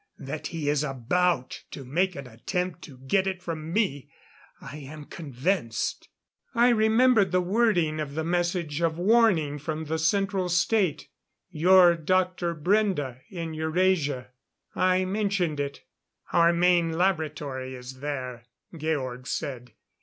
That he is about to make an attempt to get it from me, I am convinced." I remembered the wording of the message of warning from the Central State. "Your Dr. Brende, in Eurasia." I mentioned it. "Our main laboratory is there," Georg said.